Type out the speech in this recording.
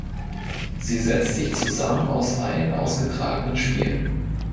Sie setzt sich zusammen aus allen ausgetragenen Spielen.